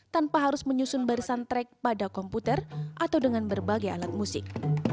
tanpa harus menyusun barisan track pada komputer atau dengan berbagai alat musik